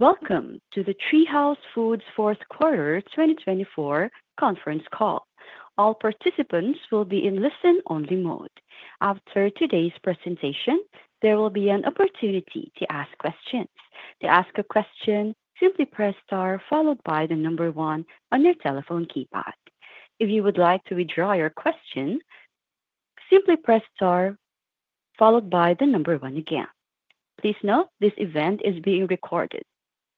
Welcome to the TreeHouse Foods Fourth Quarter 2024 conference call. All participants will be in listen-only mode. After today's presentation, there will be an opportunity to ask questions. To ask a question, simply press star followed by the number one on your telephone keypad. If you would like to withdraw your question, simply press star followed by the number one again. Please note this event is being recorded.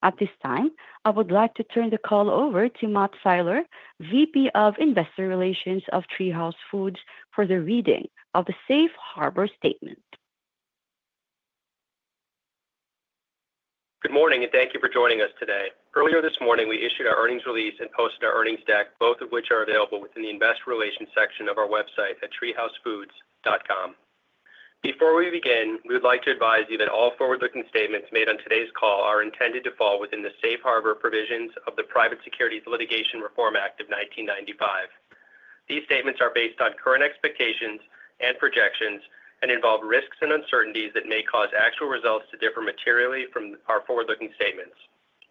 At this time, I would like to turn the call over to Matt Siler, VP of Investor Relations of TreeHouse Foods, for the reading of the Safe Harbor Statement. Good morning, and thank you for joining us today. Earlier this morning, we issued our earnings release and posted our earnings deck, both of which are available within the Investor Relations section of our website at treehousefoods.com. Before we begin, we would like to advise you that all forward-looking statements made on today's call are intended to fall within the Safe Harbor provisions of the Private Securities Litigation Reform Act of 1995. These statements are based on current expectations and projections and involve risks and uncertainties that may cause actual results to differ materially from our forward-looking statements.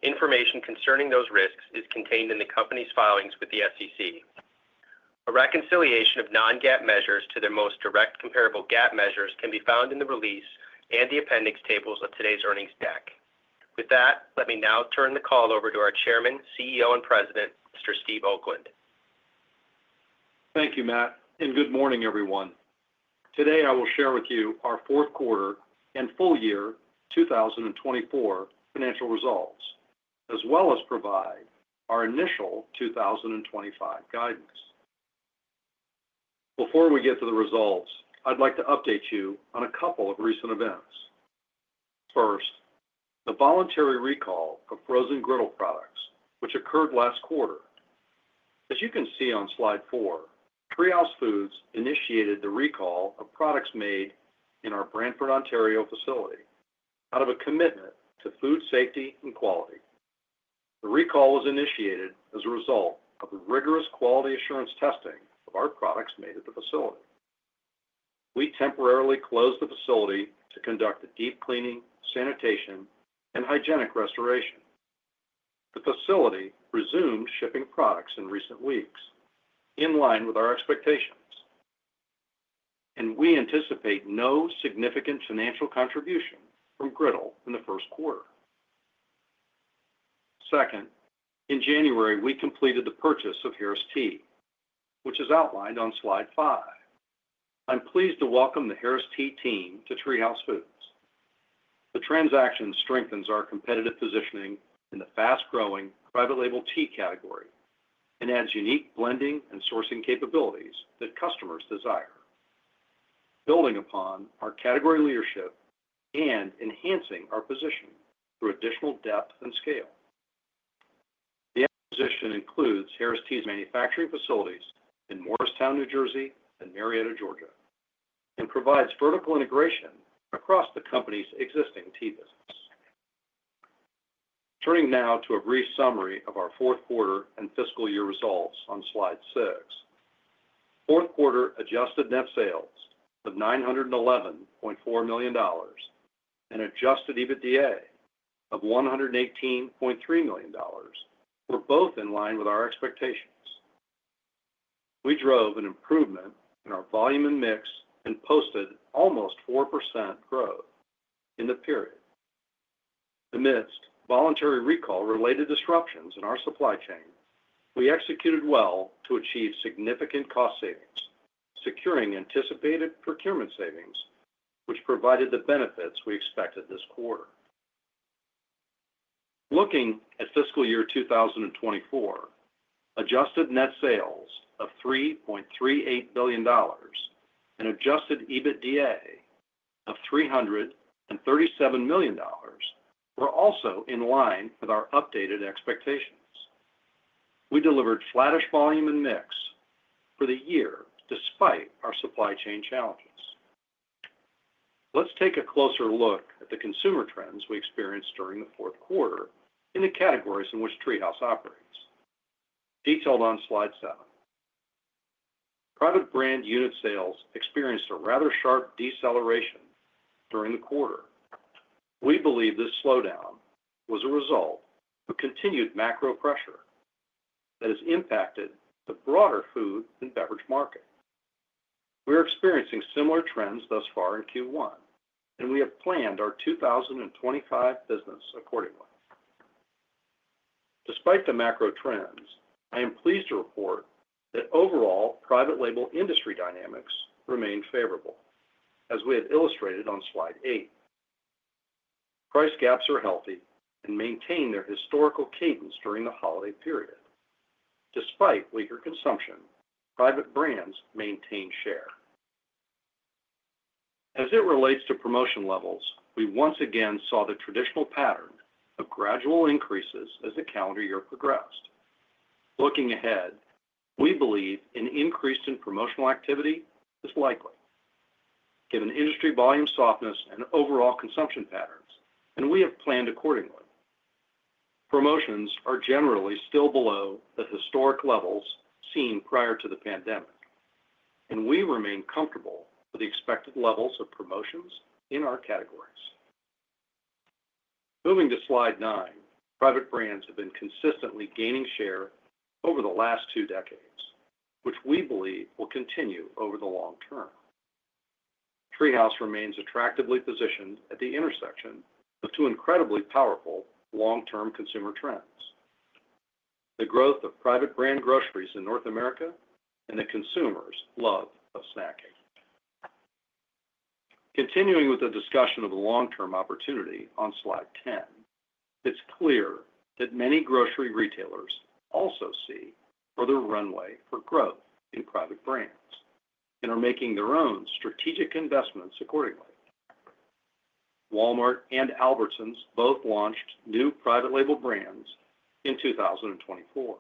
Information concerning those risks is contained in the company's filings with the SEC. A reconciliation of non-GAAP measures to their most direct comparable GAAP measures can be found in the release and the appendix tables of today's earnings deck. With that, let me now turn the call over to our Chairman, CEO, and President, Mr. Steve Oakland. Thank you, Matt, and good morning, everyone. Today, I will share with you our fourth quarter and full year 2024 financial results, as well as provide our initial 2025 guidance. Before we get to the results, I'd like to update you on a couple of recent events. First, the voluntary recall of frozen griddle products, which occurred last quarter. As you can see on slide four, TreeHouse Foods initiated the recall of products made in our Brantford, Ontario, facility out of a commitment to food safety and quality. The recall was initiated as a result of rigorous quality assurance testing of our products made at the facility. We temporarily closed the facility to conduct a deep cleaning, sanitation, and hygienic restoration. The facility resumed shipping products in recent weeks, in line with our expectations, and we anticipate no significant financial contribution from griddle in the first quarter. Second, in January, we completed the purchase of Harris Tea, which is outlined on slide five. I'm pleased to welcome the Harris Tea team to TreeHouse Foods. The transaction strengthens our competitive positioning in the fast-growing private label tea category and adds unique blending and sourcing capabilities that customers desire, building upon our category leadership and enhancing our position through additional depth and scale. The acquisition includes Harris Tea's manufacturing facilities in Moorestown, New Jersey, and Marietta, Georgia, and provides vertical integration across the company's existing tea business. Turning now to a brief summary of our fourth quarter and fiscal year results on slide six, fourth quarter Adjusted Net Sales of $911.4 million and Adjusted EBITDA of $118.3 million were both in line with our expectations. We drove an improvement in our volume and mix and posted almost 4% growth in the period. Amidst voluntary recall-related disruptions in our supply chain, we executed well to achieve significant cost savings, securing anticipated procurement savings, which provided the benefits we expected this quarter. Looking at fiscal year 2024, Adjusted Net Sales of $3.38 billion and Adjusted EBITDA of $337 million were also in line with our updated expectations. We delivered flattish volume and mix for the year despite our supply chain challenges. Let's take a closer look at the consumer trends we experienced during the fourth quarter in the categories in which TreeHouse operates, detailed on slide seven. Private brand unit sales experienced a rather sharp deceleration during the quarter. We believe this slowdown was a result of continued macro pressure that has impacted the broader food and beverage market. We are experiencing similar trends thus far in Q1, and we have planned our 2025 business accordingly. Despite the macro trends, I am pleased to report that overall private label industry dynamics remain favorable, as we have illustrated on slide eight. Price gaps are healthy and maintain their historical cadence during the holiday period. Despite weaker consumption, private brands maintain share. As it relates to promotion levels, we once again saw the traditional pattern of gradual increases as the calendar year progressed. Looking ahead, we believe an increase in promotional activity is likely, given industry volume softness and overall consumption patterns, and we have planned accordingly. Promotions are generally still below the historic levels seen prior to the pandemic, and we remain comfortable with the expected levels of promotions in our categories. Moving to slide nine, private brands have been consistently gaining share over the last two decades, which we believe will continue over the long term. TreeHouse remains attractively positioned at the intersection of two incredibly powerful long-term consumer trends: the growth of private brand groceries in North America and the consumer's love of snacking. Continuing with the discussion of the long-term opportunity on slide 10, it's clear that many grocery retailers also see further runway for growth in private brands and are making their own strategic investments accordingly. Walmart and Albertsons both launched new private label brands in 2024.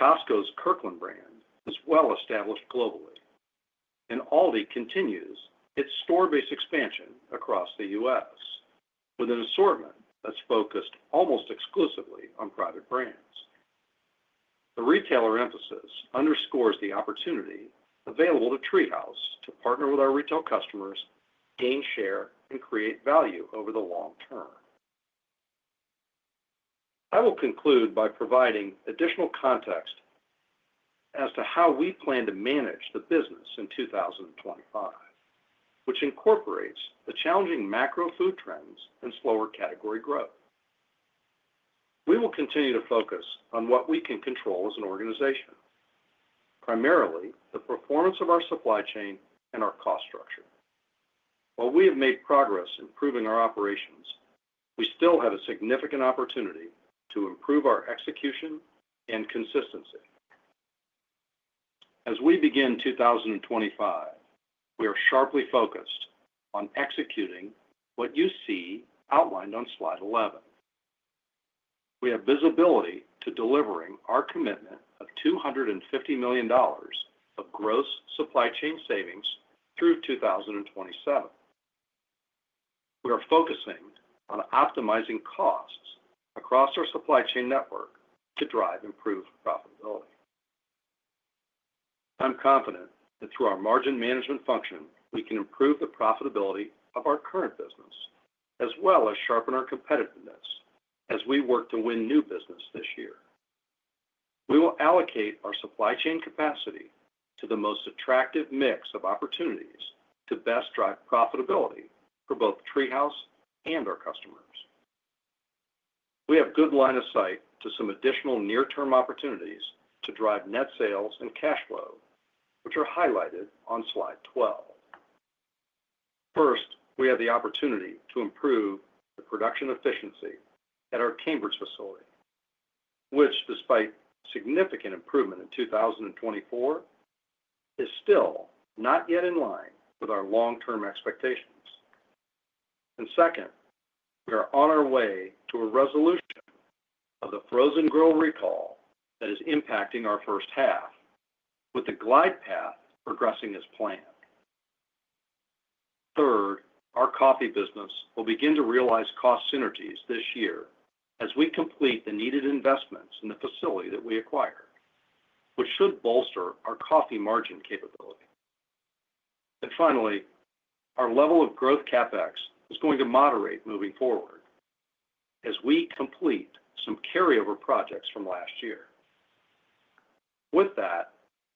Costco's Kirkland brand is well established globally, and Aldi continues its store-based expansion across the U.S. with an assortment that's focused almost exclusively on private brands. The retailer emphasis underscores the opportunity available to TreeHouse to partner with our retail customers, gain share, and create value over the long term. I will conclude by providing additional context as to how we plan to manage the business in 2025, which incorporates the challenging macro food trends and slower category growth. We will continue to focus on what we can control as an organization, primarily the performance of our supply chain and our cost structure. While we have made progress in improving our operations, we still have a significant opportunity to improve our execution and consistency. As we begin 2025, we are sharply focused on executing what you see outlined on slide 11. We have visibility to delivering our commitment of $250 million of gross supply chain savings through 2027. We are focusing on optimizing costs across our supply chain network to drive improved profitability. I'm confident that through our margin management function, we can improve the profitability of our current business, as well as sharpen our competitiveness as we work to win new business this year. We will allocate our supply chain capacity to the most attractive mix of opportunities to best drive profitability for both TreeHouse and our customers. We have a good line of sight to some additional near-term opportunities to drive net sales and cash flow, which are highlighted on slide 12. First, we have the opportunity to improve the production efficiency at our Cambridge facility, which, despite significant improvement in 2024, is still not yet in line with our long-term expectations. And second, we are on our way to a resolution of the frozen griddle recall that is impacting our first half, with the glide path progressing as planned. Third, our coffee business will begin to realize cost synergies this year as we complete the needed investments in the facility that we acquired, which should bolster our coffee margin capability. And finally, our level of growth CapEx is going to moderate moving forward as we complete some carryover projects from last year. With that,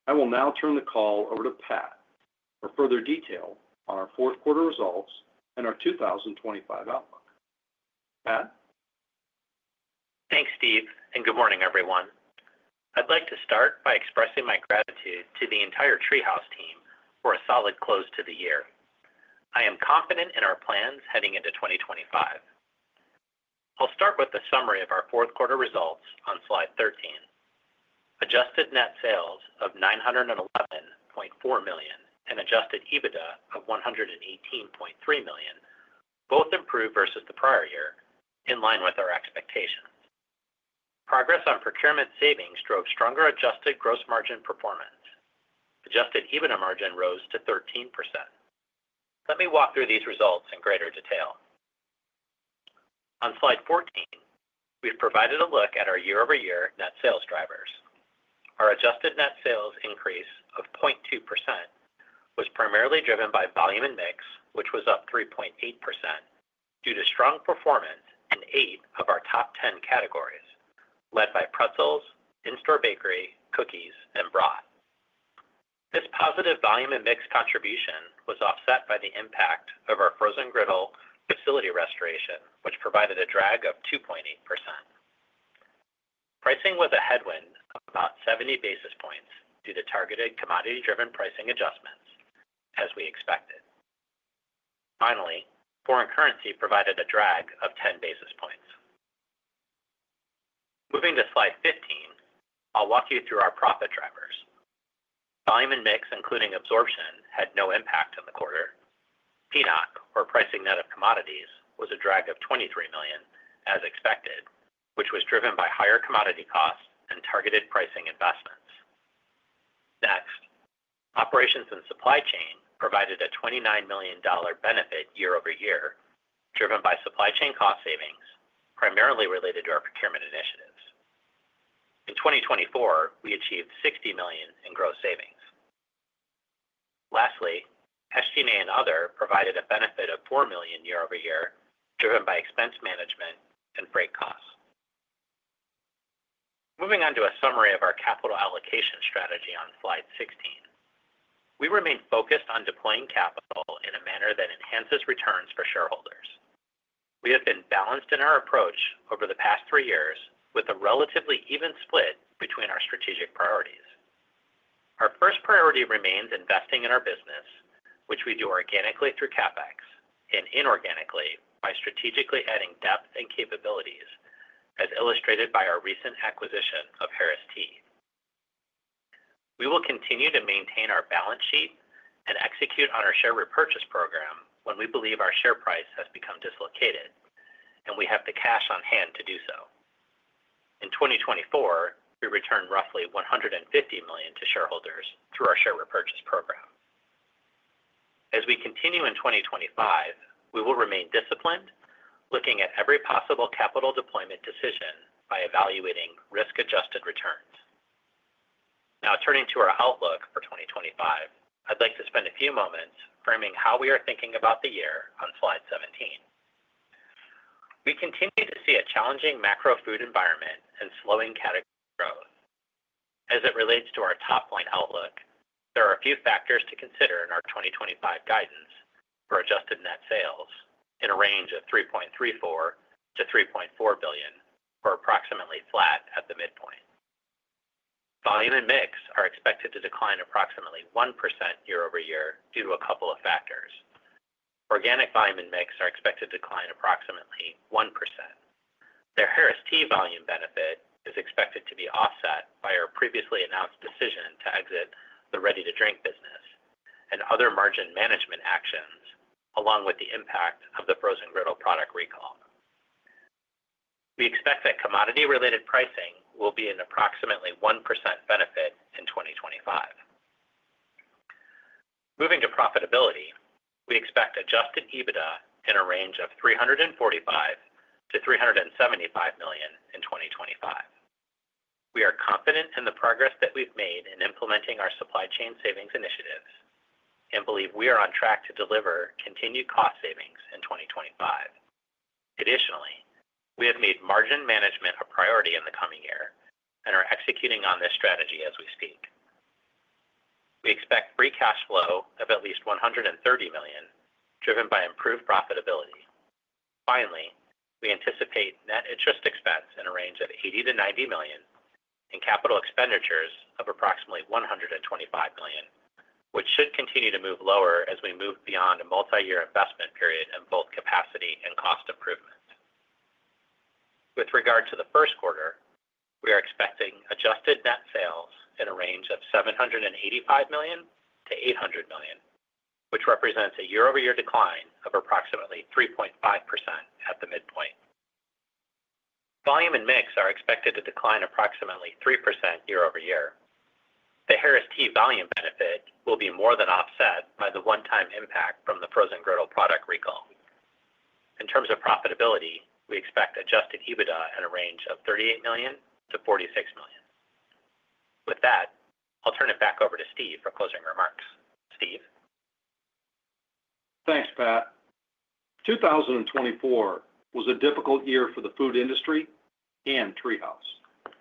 I will now turn the call over to Pat for further detail on our fourth quarter results and our 2025 outlook. Pat? Thanks, Steve, and good morning, everyone. I'd like to start by expressing my gratitude to the entire TreeHouse team for a solid close to the year. I am confident in our plans heading into 2025. I'll start with the summary of our fourth quarter results on slide 13. Adjusted Net Sales of $911.4 million and Adjusted EBITDA of $118.3 million both improved versus the prior year, in line with our expectations. Progress on procurement savings drove stronger adjusted gross margin performance. Adjusted EBITDA margin rose to 13%. Let me walk through these results in greater detail. On slide 14, we've provided a look at our year-over-year net sales drivers. Our Adjusted Net Sales increase of 0.2% was primarily driven by volume and mix, which was up 3.8% due to strong performance in eight of our top 10 categories led by pretzels, in-store bakery, cookies, and broth. This positive volume and mix contribution was offset by the impact of our frozen griddle facility restoration, which provided a drag of 2.8%. Pricing was a headwind of about 70 basis points due to targeted commodity-driven pricing adjustments, as we expected. Finally, foreign currency provided a drag of 10 basis points. Moving to slide 15, I'll walk you through our profit drivers. Volume and mix, including absorption, had no impact on the quarter. PNOC, or pricing net of commodities, was a drag of $23 million, as expected, which was driven by higher commodity costs and targeted pricing investments. Next, operations and supply chain provided a $29 million benefit year-over-year, driven by supply chain cost savings, primarily related to our procurement initiatives. In 2024, we achieved $60 million in gross savings. Lastly, SG&A and Other provided a benefit of $4 million year-over-year, driven by expense management and freight costs. Moving on to a summary of our capital allocation strategy on slide 16, we remain focused on deploying capital in a manner that enhances returns for shareholders. We have been balanced in our approach over the past three years with a relatively even split between our strategic priorities. Our first priority remains investing in our business, which we do organically through CapEx and inorganically by strategically adding depth and capabilities, as illustrated by our recent acquisition of Harris Tea. We will continue to maintain our balance sheet and execute on our share repurchase program when we believe our share price has become dislocated and we have the cash on hand to do so. In 2024, we returned roughly $150 million to shareholders through our share repurchase program. As we continue in 2025, we will remain disciplined, looking at every possible capital deployment decision by evaluating risk-adjusted returns. Now, turning to our outlook for 2025, I'd like to spend a few moments framing how we are thinking about the year on slide 17. We continue to see a challenging macro food environment and slowing category growth. As it relates to our top line outlook, there are a few factors to consider in our 2025 guidance for Adjusted Net Sales in a range of $3.34 billion-$3.4 billion, or approximately flat at the midpoint. Volume and mix are expected to decline approximately 1% year-over-year due to a couple of factors. Organic volume and mix are expected to decline approximately 1%. Their Harris Tea volume benefit is expected to be offset by our previously announced decision to exit the ready-to-drink business and other margin management actions, along with the impact of the frozen griddle product recall. We expect that commodity-related pricing will be an approximately 1% benefit in 2025. Moving to profitability, we expect Adjusted EBITDA in a range of $345 million-$375 million in 2025. We are confident in the progress that we've made in implementing our supply chain savings initiatives and believe we are on track to deliver continued cost savings in 2025. Additionally, we have made margin management a priority in the coming year and are executing on this strategy as we speak. We expect free cash flow of at least $130 million, driven by improved profitability. Finally, we anticipate net interest expense in a range of $80 million-$90 million and capital expenditures of approximately $125 million, which should continue to move lower as we move beyond a multi-year investment period in both capacity and cost improvement. With regard to the first quarter, we are expecting Adjusted Net Sales in a range of $785 million-$800 million, which represents a year-over-year decline of approximately 3.5% at the midpoint. Volume and mix are expected to decline approximately 3% year-over-year. The Harris Tea volume benefit will be more than offset by the one-time impact from the frozen griddle product recall. In terms of profitability, we expect Adjusted EBITDA in a range of $38 million-$46 million. With that, I'll turn it back over to Steve for closing remarks. Steve. Thanks, Pat. 2024 was a difficult year for the food industry and TreeHouse.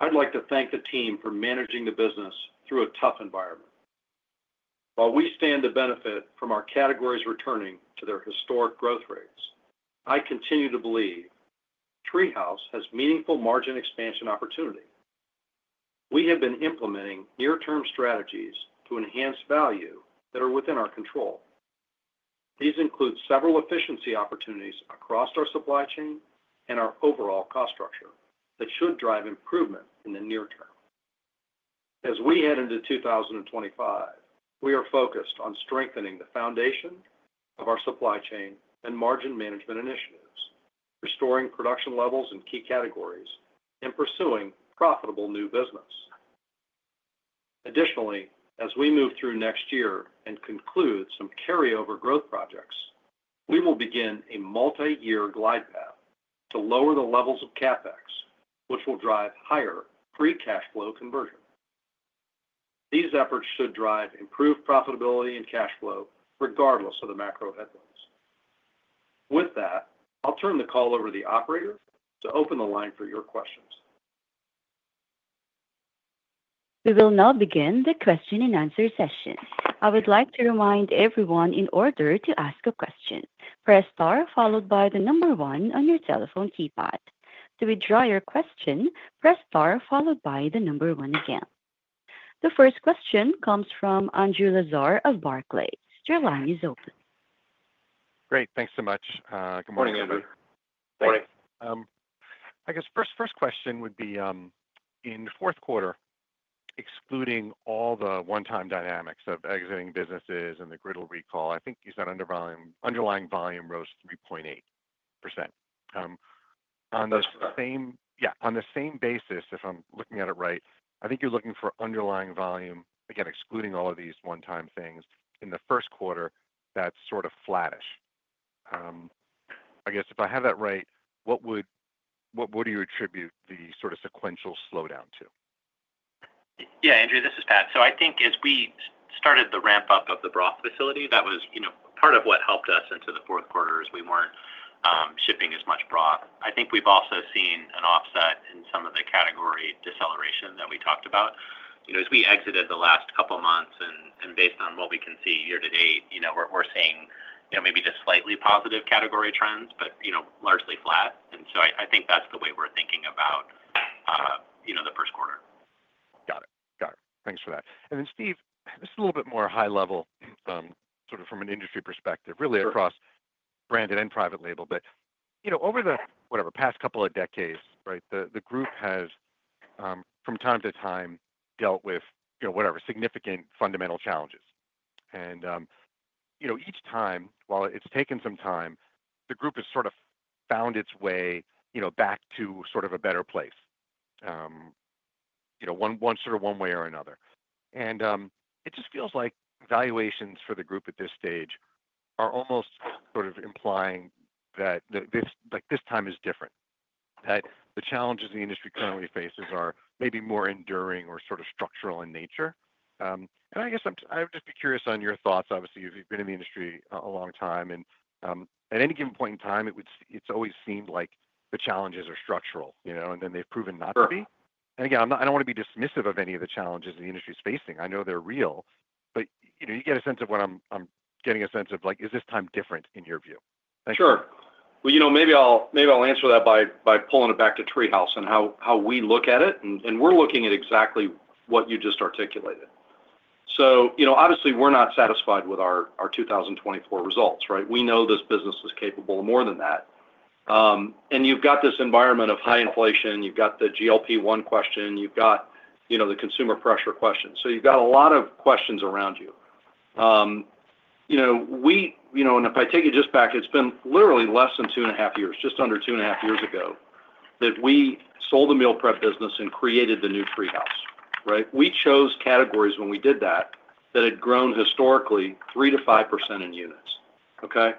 I'd like to thank the team for managing the business through a tough environment. While we stand to benefit from our categories returning to their historic growth rates, I continue to believe TreeHouse has meaningful margin expansion opportunity. We have been implementing near-term strategies to enhance value that are within our control. These include several efficiency opportunities across our supply chain and our overall cost structure that should drive improvement in the near term. As we head into 2025, we are focused on strengthening the foundation of our supply chain and margin management initiatives, restoring production levels in key categories, and pursuing profitable new business. Additionally, as we move through next year and conclude some carryover growth projects, we will begin a multi-year glide path to lower the levels of CapEx, which will drive higher free cash flow conversion. These efforts should drive improved profitability and cash flow, regardless of the macro headwinds. With that, I'll turn the call over to the operator to open the line for your questions. We will now begin the question-and-answer session. I would like to remind everyone in order to ask a question, press star followed by the number one on your telephone keypad. To withdraw your question, press star followed by the number one again. The first question comes from Andrew Lazar of Barclays. Your line is open. Great. Thanks so much. Good morning, Andrew. Good morning. I guess first question would be, in the fourth quarter, excluding all the one-time dynamics of exiting businesses and the griddle recall, I think you said underlying volume rose 3.8%? That's correct. Yeah. On the same basis, if I'm looking at it right, I think you're looking for underlying volume, again, excluding all of these one-time things, in the first quarter, that's sort of flattish. I guess if I have that right, what would you attribute the sort of sequential slowdown to? Yeah, Andrew. This is Pat. So I think as we started the ramp-up of the broth facility, that was part of what helped us into the fourth quarter, is we weren't shipping as much broth. I think we've also seen an offset in some of the category deceleration that we talked about. As we exited the last couple of months, and based on what we can see year to date, we're seeing maybe just slightly positive category trends, but largely flat. And so I think that's the way we're thinking about the first quarter. Got it. Got it. Thanks for that. And then, Steve, just a little bit more high level, sort of from an industry perspective, really across branded and private label. But over the, whatever, past couple of decades, right, the group has, from time to time, dealt with, whatever, significant fundamental challenges. And each time, while it's taken some time, the group has sort of found its way back to sort of a better place, sort of one way or another. And it just feels like valuations for the group at this stage are almost sort of implying that this time is different, that the challenges the industry currently faces are maybe more enduring or sort of structural in nature. And I guess I would just be curious on your thoughts. Obviously, you've been in the industry a long time. At any given point in time, it's always seemed like the challenges are structural, and then they've proven not to be. Again, I don't want to be dismissive of any of the challenges the industry is facing. I know they're real. But you get a sense of what I'm getting a sense of like, is this time different in your view? Sure. Well, maybe I'll answer that by pulling it back to TreeHouse and how we look at it. And we're looking at exactly what you just articulated. So obviously, we're not satisfied with our 2024 results, right? We know this business is capable of more than that. And you've got this environment of high inflation. You've got the GLP-1 question. You've got the consumer pressure question. So you've got a lot of questions around you. And if I take it just back, it's been literally less than two and a half years, just under two and a half years ago, that we sold the meal prep business and created the new TreeHouse, right? We chose categories when we did that that had grown historically 3%-5% in units, okay?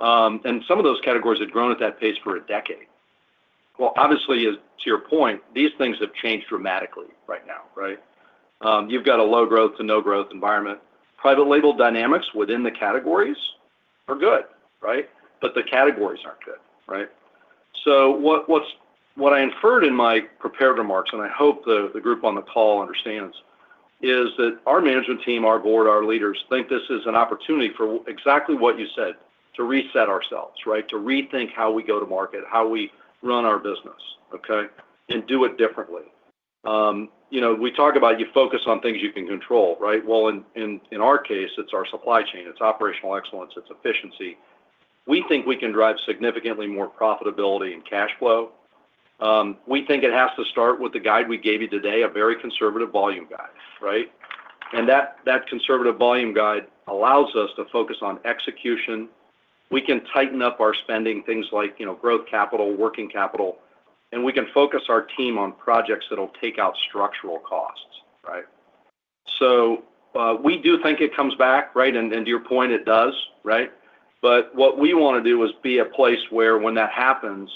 And some of those categories had grown at that pace for a decade. Obviously, to your point, these things have changed dramatically right now, right? You've got a low growth to no growth environment. Private label dynamics within the categories are good, right? But the categories aren't good, right? So what I inferred in my prepared remarks, and I hope the group on the call understands, is that our management team, our board, our leaders think this is an opportunity for exactly what you said, to reset ourselves, right? To rethink how we go to market, how we run our business, okay, and do it differently. We talk about you focus on things you can control, right? Well, in our case, it's our supply chain. It's operational excellence. It's efficiency. We think we can drive significantly more profitability and cash flow. We think it has to start with the guide we gave you today, a very conservative volume guide, right? And that conservative volume guide allows us to focus on execution. We can tighten up our spending, things like growth capital, working capital. And we can focus our team on projects that will take out structural costs, right? So we do think it comes back, right? And to your point, it does, right? But what we want to do is be a place where, when that happens,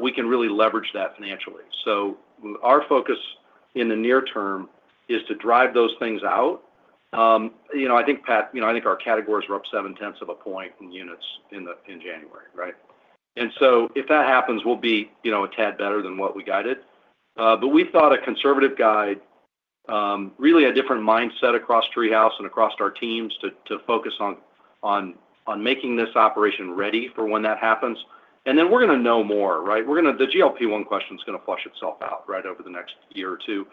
we can really leverage that financially. So our focus in the near term is to drive those things out. I think, Pat, I think our categories were up seven-tenths of a point in units in January, right? And so if that happens, we'll be a tad better than what we guided. But we thought a conservative guide, really a different mindset across TreeHouse and across our teams to focus on making this operation ready for when that happens. And then we're going to know more, right? The GLP-1 question is going to flesh itself out, right, over the next year or two.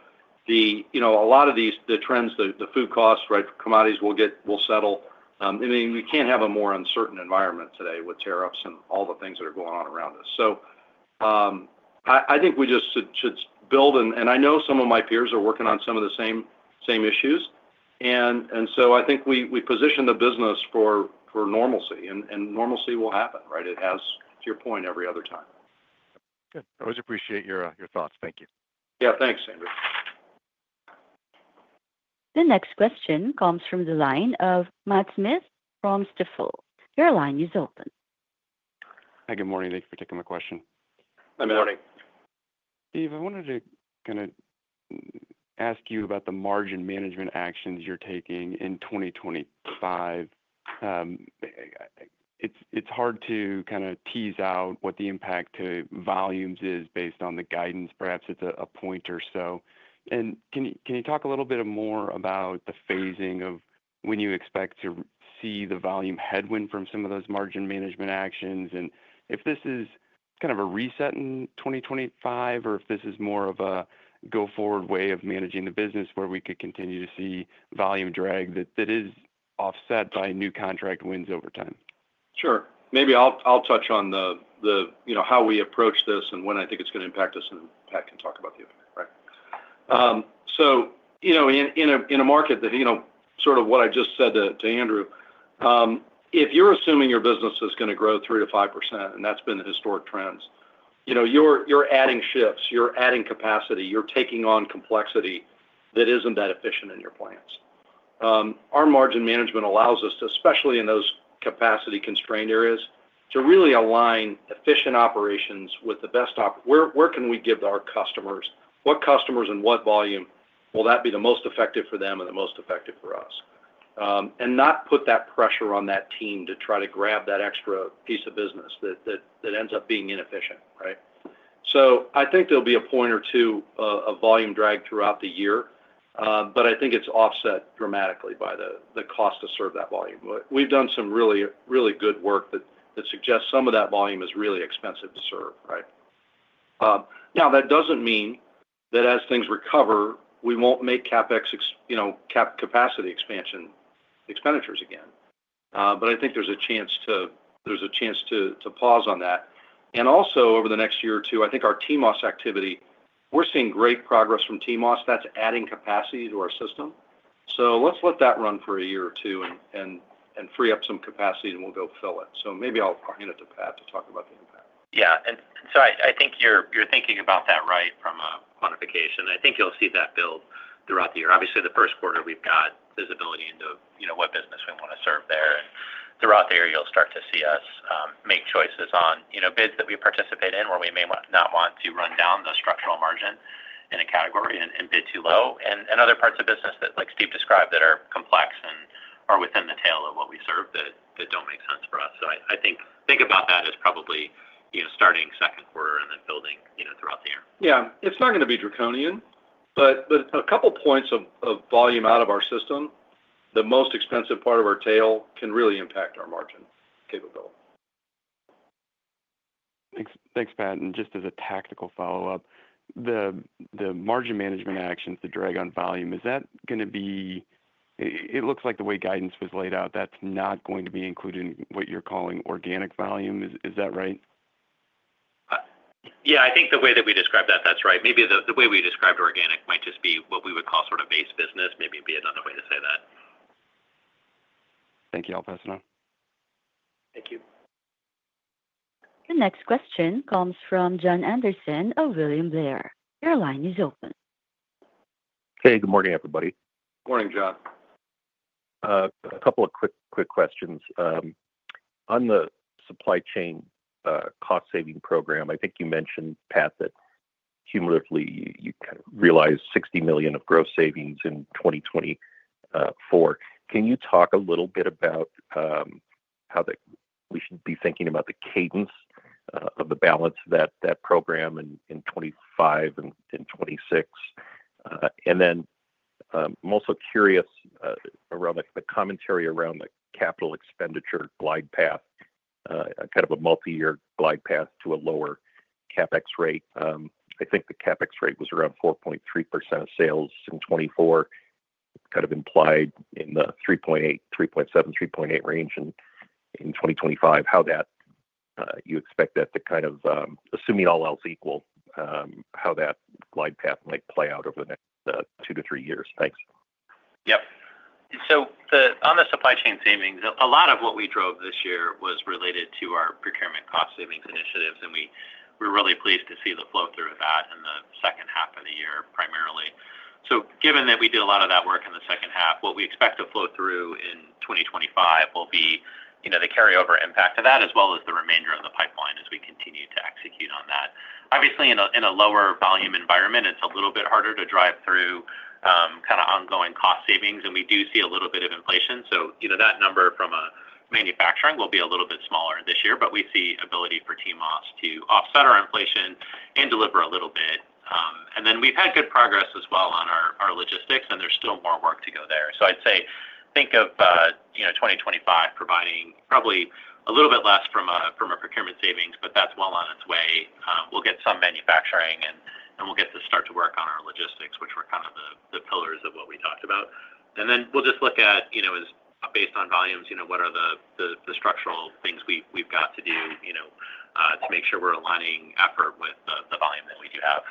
A lot of the trends, the food costs, right, commodities will settle. I mean, we can't have a more uncertain environment today with tariffs and all the things that are going on around us. So I think we just should build. And I know some of my peers are working on some of the same issues. And so I think we position the business for normalcy. And normalcy will happen, right? It has, to your point, every other time. Good. I always appreciate your thoughts. Thank you. Yeah. Thanks, Andrew. The next question comes from the line of Matt Smith from Stifel. Your line is open. Hi. Good morning. Thank you for taking my question. Good morning. Steve, I wanted to kind of ask you about the margin management actions you're taking in 2025. It's hard to kind of tease out what the impact to volumes is based on the guidance. Perhaps it's a point or so. And can you talk a little bit more about the phasing of when you expect to see the volume headwind from some of those margin management actions? And if this is kind of a reset in 2025, or if this is more of a go-forward way of managing the business where we could continue to see volume drag that is offset by new contract wins over time? Sure. Maybe I'll touch on how we approach this and when I think it's going to impact us, and Pat can talk about the impact, right? So in a market that sort of what I just said to Andrew, if you're assuming your business is going to grow 3%-5%, and that's been the historic trends, you're adding shifts. You're adding capacity. You're taking on complexity that isn't that efficient in your plans. Our margin management allows us to, especially in those capacity-constrained areas, to really align efficient operations with the best option. Where can we give our customers? What customers and what volume will that be the most effective for them and the most effective for us? And not put that pressure on that team to try to grab that extra piece of business that ends up being inefficient, right? So I think there'll be a point or two of volume drag throughout the year. But I think it's offset dramatically by the cost to serve that volume. We've done some really good work that suggests some of that volume is really expensive to serve, right? Now, that doesn't mean that as things recover, we won't make capacity expansion expenditures again. But I think there's a chance to pause on that. And also, over the next year or two, I think our TMOS activity, we're seeing great progress from TMOS. That's adding capacity to our system. So let's let that run for a year or two and free up some capacity, and we'll go fill it. So maybe I'll hand it to Pat to talk about the impact. Yeah. And so I think you're thinking about that right from a quantification. I think you'll see that build throughout the year. Obviously, the first quarter, we've got visibility into what business we want to serve there. And throughout the year, you'll start to see us make choices on bids that we participate in where we may not want to run down the structural margin in a category and bid too low. And other parts of business that, like Steve described, that are complex and are within the tail of what we serve that don't make sense for us. So I think about that as probably starting second quarter and then building throughout the year. Yeah. It's not going to be draconian, but a couple of points of volume out of our system, the most expensive part of our tail, can really impact our margin capability. Thanks, Pat. And just as a tactical follow-up, the margin management actions that drag on volume, is that going to be it looks like the way guidance was laid out, that's not going to be included in what you're calling organic volume. Is that right? Yeah. I think the way that we described that, that's right. Maybe the way we described organic might just be what we would call sort of base business. Maybe it'd be another way to say that. Thank you all for listening. Thank you. The next question comes from Jon Andersen of William Blair. Your line is open. Hey. Good morning, everybody. Morning, Jon. A couple of quick questions. On the supply chain cost-saving program, I think you mentioned, Pat, that cumulatively you realized $60 million of gross savings in 2024. Can you talk a little bit about how we should be thinking about the cadence of the balance of that program in 2025 and 2026? And then I'm also curious around the commentary around the capital expenditure glide path, kind of a multi-year glide path to a lower CapEx rate. I think the CapEx rate was around 4.3% of sales in 2024, kind of implied in the 3.7%-3.8% range in 2025, how you expect that to kind of, assuming all else equal, how that glide path might play out over the next two to three years. Thanks. Yep. So on the supply chain savings, a lot of what we drove this year was related to our procurement cost savings initiatives. And we're really pleased to see the flow through of that in the second half of the year, primarily. So given that we did a lot of that work in the second half, what we expect to flow through in 2025 will be the carryover impact of that, as well as the remainder of the pipeline as we continue to execute on that. Obviously, in a lower volume environment, it's a little bit harder to drive through kind of ongoing cost savings. And we do see a little bit of inflation. So that number from manufacturing will be a little bit smaller this year. But we see ability for TMOS to offset our inflation and deliver a little bit. And then we've had good progress as well on our logistics, and there's still more work to go there. So I'd say think of 2025 providing probably a little bit less from a procurement savings, but that's well on its way. We'll get some manufacturing, and we'll get to start to work on our logistics, which were kind of the pillars of what we talked about. And then we'll just look at, based on volumes, what are the structural things we've got to do to make sure we're aligning effort with the volume that we do have.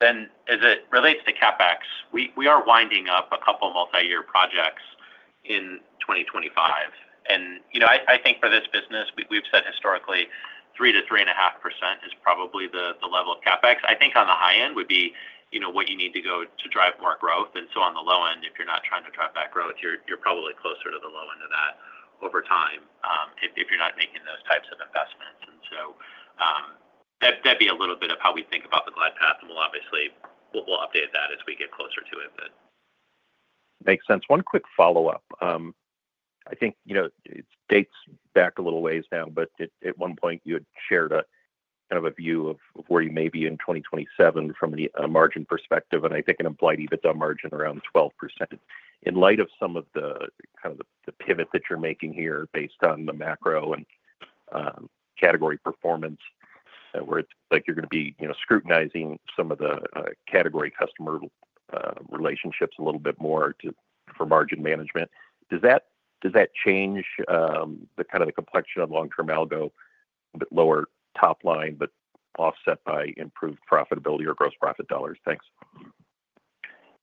Then, as it relates to CapEx, we are winding up a couple of multi-year projects in 2025. And I think for this business, we've said historically 3%-3.5% is probably the level of CapEx. I think on the high end would be what you need to go to drive more growth. And so on the low end, if you're not trying to drive that growth, you're probably closer to the low end of that over time if you're not making those types of investments. And so that'd be a little bit of how we think about the glide path. And we'll obviously update that as we get closer to it. Makes sense. One quick follow-up. I think it dates back a little ways now, but at one point, you had shared kind of a view of where you may be in 2027 from a margin perspective. And I think it implied you had a margin around 12%. In light of some of the kind of pivot that you're making here based on the macro and category performance, where it's like you're going to be scrutinizing some of the category customer relationships a little bit more for margin management, does that change kind of the complexion of long-term outlook with lower top line but offset by improved profitability or gross profit dollars? Thanks.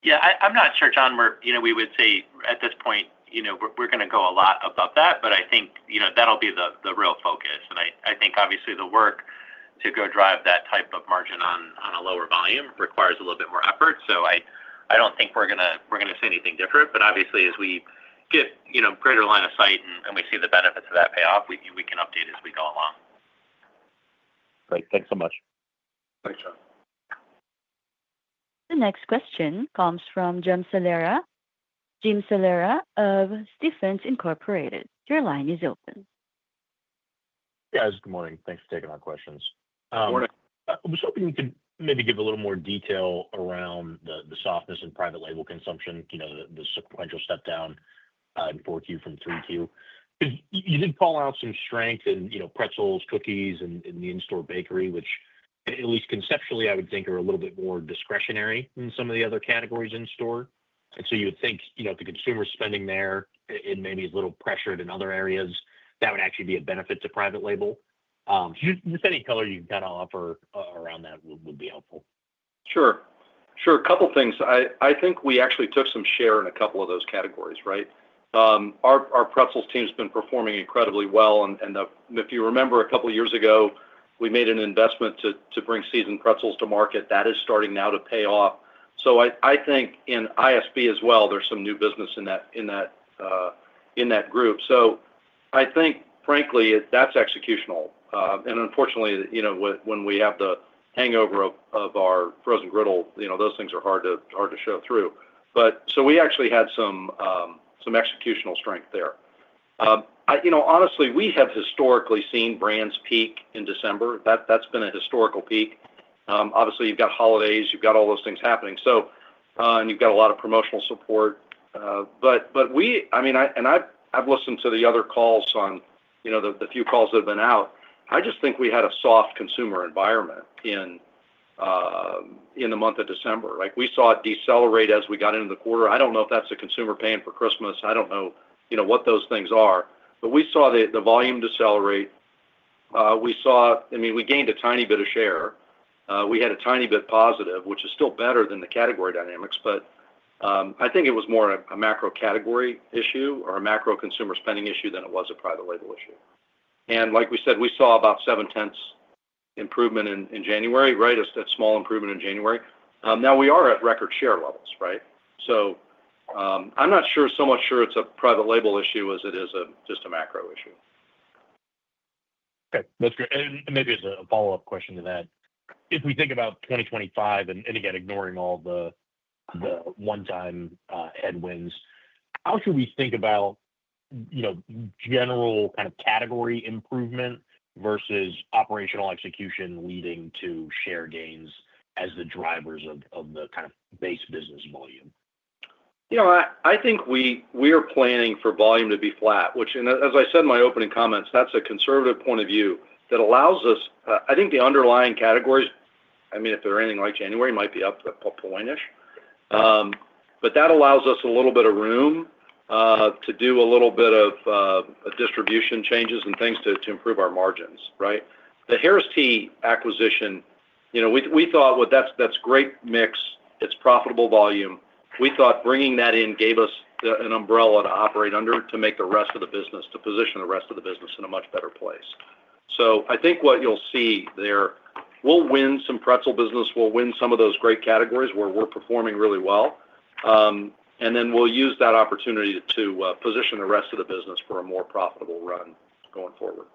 Yeah. I'm not sure, Jon, where we would say at this point, we're going to go a lot above that. But I think that'll be the real focus. And I think, obviously, the work to go drive that type of margin on a lower volume requires a little bit more effort. So I don't think we're going to say anything different. But obviously, as we get greater line of sight and we see the benefits of that payoff, we can update as we go along. Great. Thanks so much. Thanks, Jon. The next question comes from Jim Salera. Jim Salera of Stephens Inc. Your line is open. Yes. Good morning. Thanks for taking our questions. Good morning. I was hoping you could maybe give a little more detail around the softness in private label consumption, the sequential step-down in 4Q from 3Q. Because you did call out some strength in pretzels, cookies, and the in-store bakery, which, at least conceptually, I would think are a little bit more discretionary than some of the other categories in store. And so you would think if the consumer's spending there and maybe is a little pressured in other areas, that would actually be a benefit to private label. Just any color you can kind of offer around that would be helpful. Sure. Sure. A couple of things. I think we actually took some share in a couple of those categories, right? Our pretzels team has been performing incredibly well. And if you remember, a couple of years ago, we made an investment to bring seasoned pretzels to market. That is starting now to pay off. So I think in ISB as well, there's some new business in that group. So I think, frankly, that's executional. And unfortunately, when we have the hangover of our frozen griddle, those things are hard to show through. So we actually had some executional strength there. Honestly, we have historically seen brands peak in December. That's been a historical peak. Obviously, you've got holidays. You've got all those things happening. And you've got a lot of promotional support. But I mean, and I've listened to the other calls on the few calls that have been out. I just think we had a soft consumer environment in the month of December. We saw it decelerate as we got into the quarter. I don't know if that's the consumer paying for Christmas. I don't know what those things are. But we saw the volume decelerate. I mean, we gained a tiny bit of share. We had a tiny bit positive, which is still better than the category dynamics. But I think it was more a macro category issue or a macro consumer spending issue than it was a private label issue. And like we said, we saw about 7/10 improvement in January, right? A small improvement in January. Now, we are at record share levels, right? So I'm not so much sure it's a private label issue as it is just a macro issue. Okay. That's great. And maybe as a follow-up question to that, if we think about 2025, and again, ignoring all the one-time headwinds, how should we think about general kind of category improvement versus operational execution leading to share gains as the drivers of the kind of base business volume? I think we are planning for volume to be flat. And as I said in my opening comments, that's a conservative point of view that allows us, I think, the underlying categories. I mean, if they're ending like January, might be up a point-ish. But that allows us a little bit of room to do a little bit of distribution changes and things to improve our margins, right? The Harris Tea acquisition, we thought, "Well, that's great mix. It's profitable volume." We thought bringing that in gave us an umbrella to operate under to make the rest of the business, to position the rest of the business in a much better place. So I think what you'll see there, we'll win some pretzel business. We'll win some of those great categories where we're performing really well. And then we'll use that opportunity to position the rest of the business for a more profitable run going forward.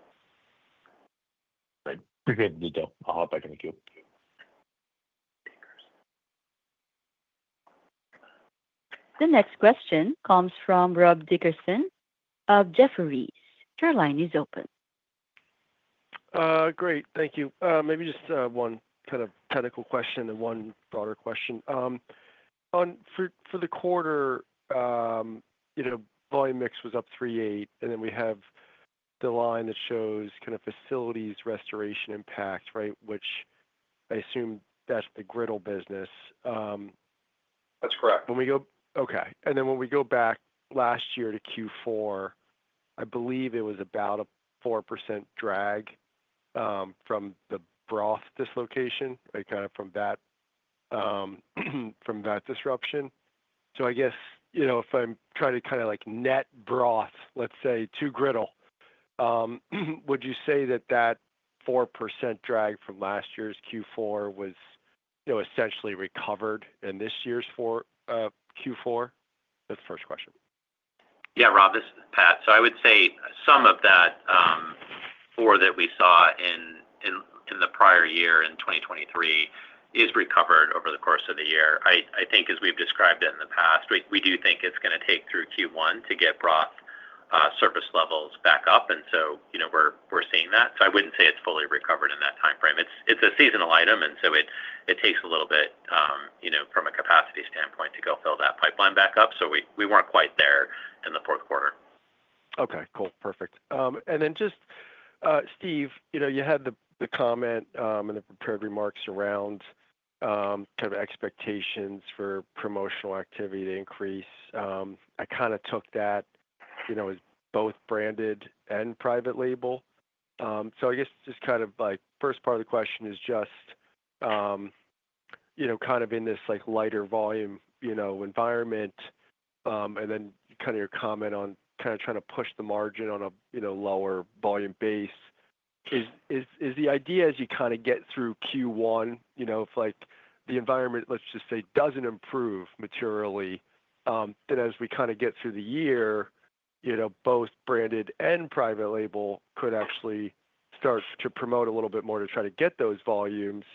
Great. Appreciate the detail. I'll hop back in with you. The next question comes from Rob Dickerson of Jefferies. Your line is open. Great. Thank you. Maybe just one kind of technical question and one broader question. For the quarter, volume mix was up 3.8%, and then we have the line that shows kind of facilities restoration impact, right, which I assume that's the griddle business. That's correct. Okay. And then when we go back last year to Q4, I believe it was about a 4% drag from the broth dislocation, kind of from that disruption. So I guess if I'm trying to kind of net broth, let's say, to griddle, would you say that that 4% drag from last year's Q4 was essentially recovered in this year's Q4? That's the first question. Yeah, Rob, this is Pat. So I would say some of that 4% that we saw in the prior year in 2023 is recovered over the course of the year. I think, as we've described it in the past, we do think it's going to take through Q1 to get broth service levels back up. And so we're seeing that. So I wouldn't say it's fully recovered in that time frame. It's a seasonal item. And so it takes a little bit from a capacity standpoint to go fill that pipeline back up. So we weren't quite there in the fourth quarter. Okay. Cool. Perfect. And then just, Steve, you had the comment and the prepared remarks around kind of expectations for promotional activity to increase. I kind of took that as both branded and private label. So I guess just kind of like first part of the question is just kind of in this lighter volume environment, and then kind of your comment on kind of trying to push the margin on a lower volume base. Is the idea as you kind of get through Q1, if the environment, let's just say, doesn't improve materially, then as we kind of get through the year, both branded and private label could actually start to promote a little bit more to try to get those volumes,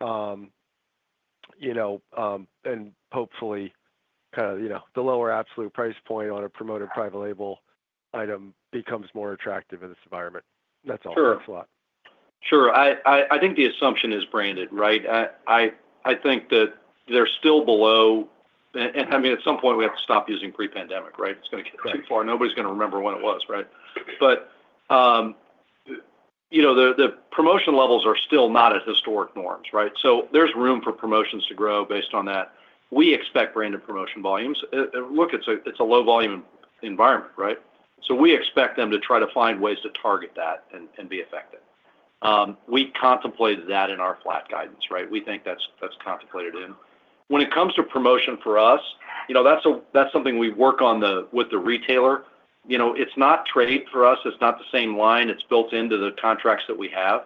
and hopefully, kind of the lower absolute price point on a promoted private label item becomes more attractive in this environment. That's all. Thanks a lot. Sure. Sure. I think the assumption is branded, right? I think that they're still below. And I mean, at some point, we have to stop using pre-pandemic, right? It's going to get too far. Nobody's going to remember when it was, right? But the promotion levels are still not at historic norms, right? So there's room for promotions to grow based on that. We expect branded promotion volumes. Look, it's a low-volume environment, right? So we expect them to try to find ways to target that and be effective. We contemplate that in our flat guidance, right? We think that's contemplated in. When it comes to promotion for us, that's something we work on with the retailer. It's not trade for us. It's not the same line. It's built into the contracts that we have.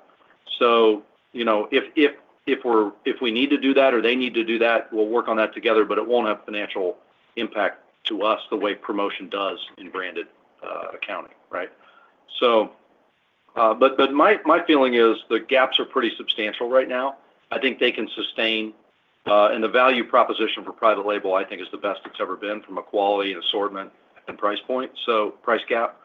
So if we need to do that or they need to do that, we'll work on that together. But it won't have financial impact to us the way promotion does in branded accounting, right? But my feeling is the gaps are pretty substantial right now. I think they can sustain. And the value proposition for private label, I think, is the best it's ever been from a quality and assortment and price point, so price gap.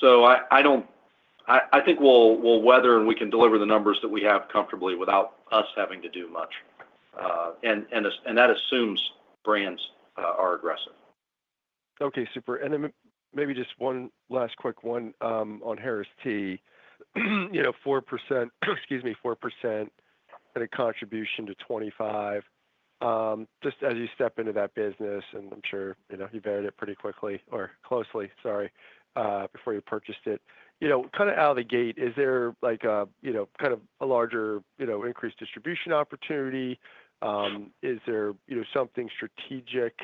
So I think we'll weather and we can deliver the numbers that we have comfortably without us having to do much. And that assumes brands are aggressive. Okay. Super. And then maybe just one last quick one on Harris Tea. 4%, excuse me, 4% kind of contribution to 2025, just as you step into that business. And I'm sure you've added it pretty quickly or closely, sorry, before you purchased it. Kind of out of the gate, is there kind of a larger increased distribution opportunity? Is there something strategic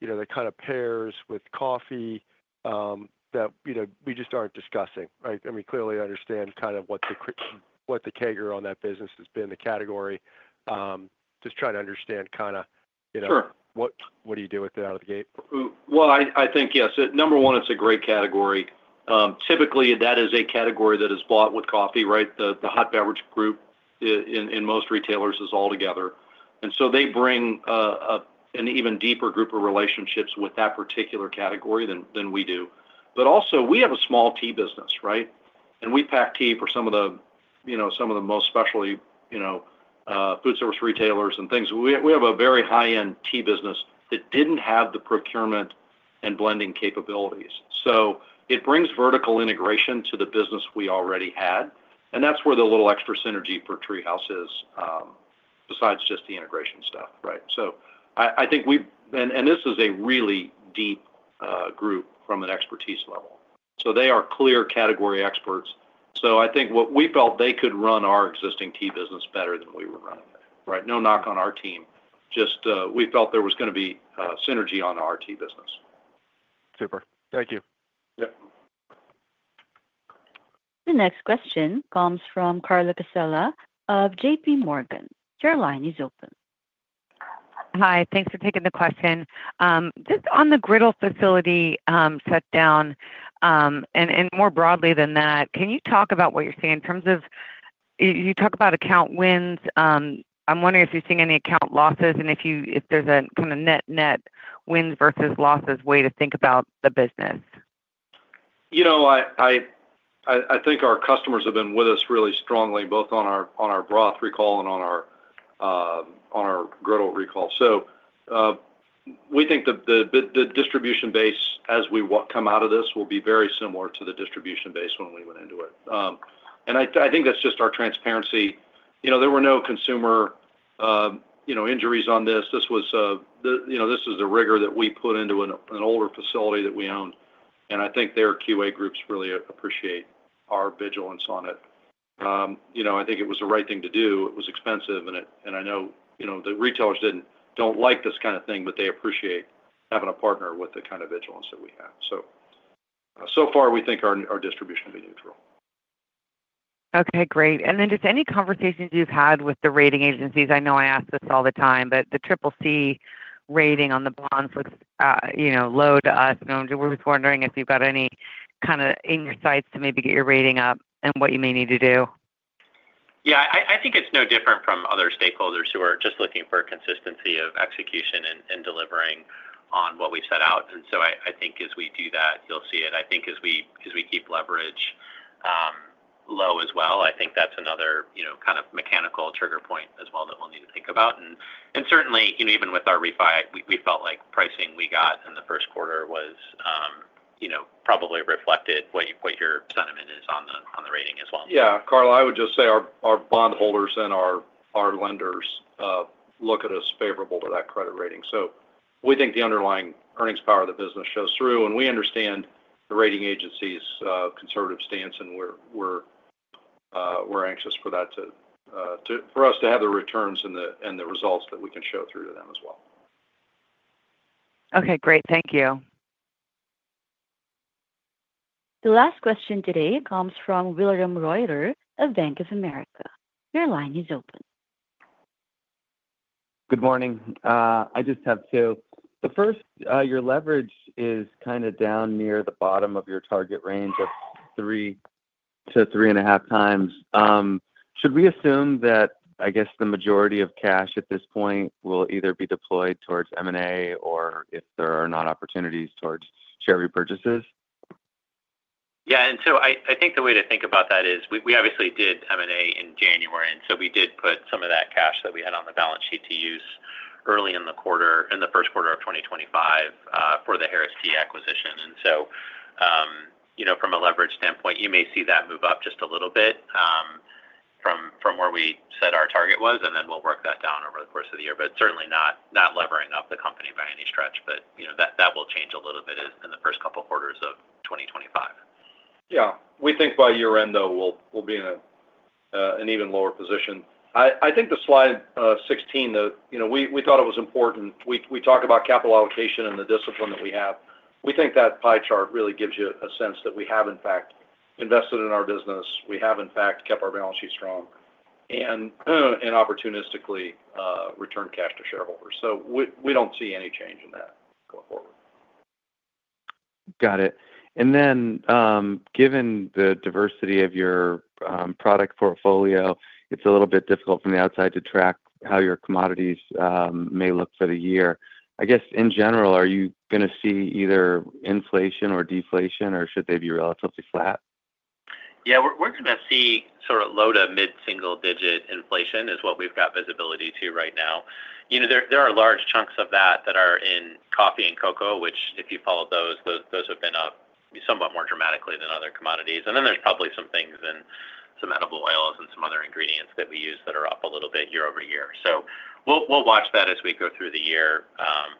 that kind of pairs with coffee that we just aren't discussing? I mean, clearly, I understand kind of what the kicker on that business has been, the category. Just trying to understand kind of what do you do with it out of the gate? I think, yes. Number one, it's a great category. Typically, that is a category that is bought with coffee, right? The hot beverage group in most retailers is all together. And so they bring an even deeper group of relationships with that particular category than we do. But also, we have a small tea business, right? And we pack tea for some of the most specialty food service retailers and things. We have a very high-end tea business that didn't have the procurement and blending capabilities. So it brings vertical integration to the business we already had. And that's where the little extra synergy for TreeHouse is, besides just the integration stuff, right? So I think we've and this is a really deep group from an expertise level. So they are clear category experts. So I think what we felt, they could run our existing tea business better than we were running it, right? No knock on our team. Just we felt there was going to be synergy on our tea business. Super. Thank you. Yep. The next question comes from Carla Casella of JP Morgan. Your line is open. Hi. Thanks for taking the question. Just on the griddle facility step-down and more broadly than that, can you talk about what you're seeing in terms of you talk about account wins. I'm wondering if you're seeing any account losses and if there's a kind of net-net wins versus losses way to think about the business. You know what? I think our customers have been with us really strongly, both on our broth recall and on our griddle recall. So we think the distribution base as we come out of this will be very similar to the distribution base when we went into it. And I think that's just our transparency. There were no consumer injuries on this. This was the rigor that we put into an older facility that we owned. And I think their QA groups really appreciate our vigilance on it. I think it was the right thing to do. It was expensive. And I know the retailers don't like this kind of thing, but they appreciate having a partner with the kind of vigilance that we have. So far, we think our distribution will be neutral. Okay. Great. And then just any conversations you've had with the rating agencies? I know I ask this all the time, but the CCC rating on the bonds looks low to us. And we're just wondering if you've got any kind of insights to maybe get your rating up and what you may need to do. Yeah. I think it's no different from other stakeholders who are just looking for consistency of execution and delivering on what we've set out. And so I think as we do that, you'll see it. I think as we keep leverage low as well, I think that's another kind of mechanical trigger point as well that we'll need to think about. And certainly, even with our refi, we felt like pricing we got in the first quarter was probably reflected what your sentiment is on the rating as well. Yeah. Carla, I would just say our bondholders and our lenders look at us favorably to that credit rating. So we think the underlying earnings power of the business shows through. And we understand the rating agency's conservative stance. And we're anxious for that, for us to have the returns and the results that we can show through to them as well. Okay. Great. Thank you. The last question today comes from William Reuter of Bank of America. Your line is open. Good morning. I just have two. The first, your leverage is kind of down near the bottom of your target range of three to three and a half times. Should we assume that, I guess, the majority of cash at this point will either be deployed towards M&A or if there are not opportunities towards share repurchases? Yeah. And so I think the way to think about that is we obviously did M&A in January. And so we did put some of that cash that we had on the balance sheet to use early in the first quarter of 2025 for the Harris Tea acquisition. And so from a leverage standpoint, you may see that move up just a little bit from where we set our target was. And then we'll work that down over the course of the year. But certainly not levering up the company by any stretch. But that will change a little bit in the first couple of quarters of 2025. Yeah. We think by year-end, though, we'll be in an even lower position. I think the slide 16, we thought it was important. We talk about capital allocation and the discipline that we have. We think that pie chart really gives you a sense that we have, in fact, invested in our business. We have, in fact, kept our balance sheet strong and opportunistically returned cash to shareholders. So we don't see any change in that going forward. Got it. And then given the diversity of your product portfolio, it's a little bit difficult from the outside to track how your commodities may look for the year. I guess, in general, are you going to see either inflation or deflation, or should they be relatively flat? Yeah. We're going to see sort of low to mid-single-digit inflation is what we've got visibility to right now. There are large chunks of that that are in coffee and cocoa, which if you follow those, those have been up somewhat more dramatically than other commodities. And then there's probably some things in some edible oils and some other ingredients that we use that are up a little bit year over year. So we'll watch that as we go through the year.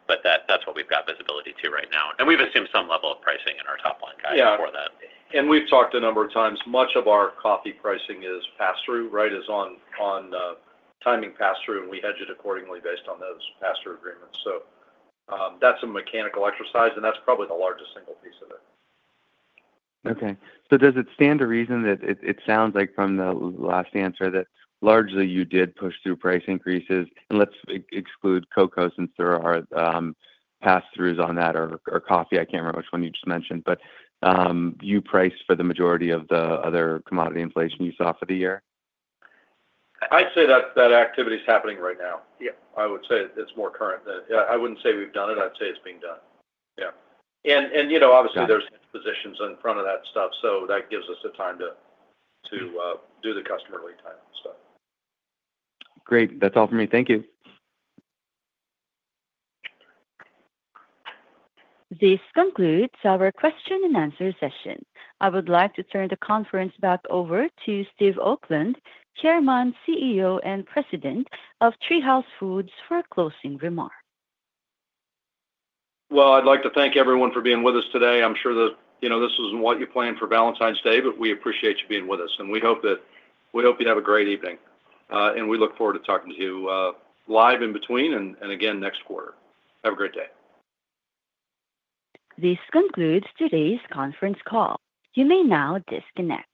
But that's what we've got visibility to right now. And we've assumed some level of pricing in our top line guide for that. Yeah. And we've talked a number of times. Much of our coffee pricing is pass-through, right, is on timing pass-through. And we hedge it accordingly based on those pass-through agreements. So that's a mechanical exercise. And that's probably the largest single piece of it. Okay. So does it stand to reason that it sounds like from the last answer that largely you did push through price increases? And let's exclude cocoa since there are pass-throughs on that or coffee. I can't remember which one you just mentioned. But you priced for the majority of the other commodity inflation you saw for the year? I'd say that activity is happening right now. Yeah. I would say it's more current. I wouldn't say we've done it. I'd say it's being done. Yeah. And obviously, there's expositions in front of that stuff. So that gives us the time to do the customer lead time stuff. Great. That's all for me. Thank you. This concludes our question and answer session. I would like to turn the conference back over to Steve Oakland, Chairman, CEO, and President of TreeHouse Foods for a closing remark. I'd like to thank everyone for being with us today. I'm sure that this wasn't what you planned for Valentine's Day, but we appreciate you being with us. We hope you'd have a great evening. We look forward to talking to you live in between and again next quarter. Have a great day. This concludes today's conference call. You may now disconnect.